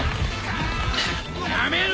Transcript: やめろ！